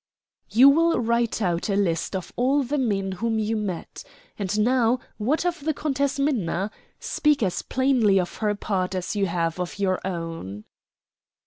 "You will write out a list of all the men whom you met. And now, what of the Countess Minna? Speak as plainly of her part as you have of your own."